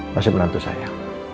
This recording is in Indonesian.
masih menantu saya